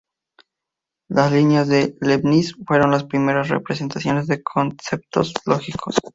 Las líneas de Leibniz fueron las primeras representaciones de conceptos lógicos.